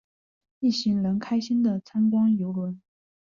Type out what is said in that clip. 一行人开心的参观邮轮。